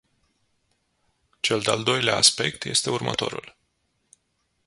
Cel de-al doilea aspect este următorul.